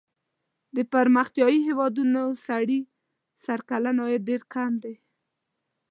د پرمختیايي هېوادونو سړي سر کلنی عاید ډېر کم دی.